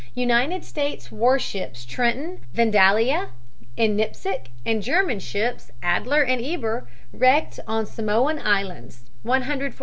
United States warships Trenton, Vandalia and Nipsic and German ships Adler and Eber wrecked on Samoan Islands; 147 lives lost.